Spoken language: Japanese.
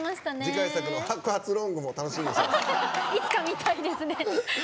次回作の白髪ロングも楽しみですね。